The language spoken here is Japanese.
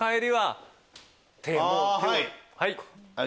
はい。